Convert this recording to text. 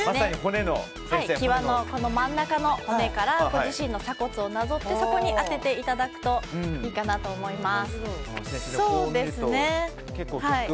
真ん中の骨からご自身の鎖骨をなぞってそこに当てていただくといいかなと思います。